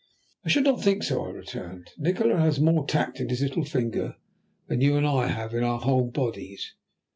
"I should not think so," I returned. "Nikola has more tact in his little finger than you and I have in our whole bodies.